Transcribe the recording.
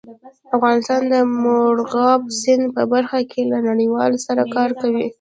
افغانستان د مورغاب سیند په برخه کې له نړیوالو سره کار کوي.